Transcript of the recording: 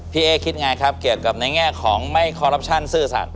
พี่เอ๊คิดอย่างไรครับเกี่ยวกับในแง่ของไม่คอรับชันซื้อสัตว์